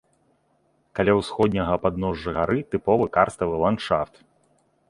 Каля ўсходняга падножжа гары тыповы карставы ландшафт.